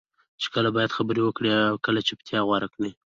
چې کله باید خبرې وکړې او کله چپتیا غوره کړې.